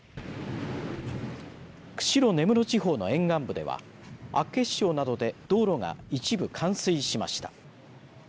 釧路・根室地方の沿岸部では厚岸町などで道路が一部冠水しました。